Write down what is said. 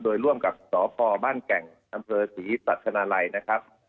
โดยร่วมกับสภบ้านแก่งดศรีสัตว์ธนาลัยนะครับ